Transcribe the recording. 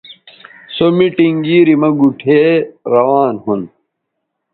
سو میٹنگ گیری مہ گوٹھے روان ھُون